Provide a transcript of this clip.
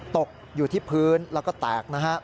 ตกอยู่ที่พื้นแล้วก็แตกนะฮะ